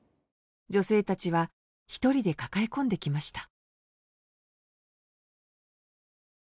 女性たちは一人で抱え込んできました